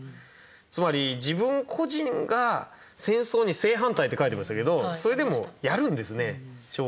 つまり自分個人が戦争に正反対って書いてましたけどそれでもやるんですね昭和の軍人は。